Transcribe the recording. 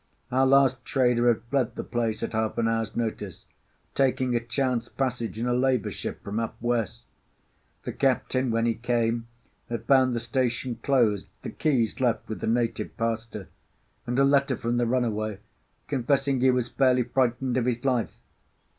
Our last trader had fled the place at half an hour's notice, taking a chance passage in a labour ship from up west. The captain, when he came, had found the station closed, the keys left with the native pastor, and a letter from the runaway, confessing he was fairly frightened of his life.